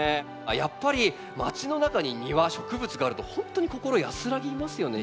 やっぱりまちの中に庭植物があるとほんとに心安らぎますよね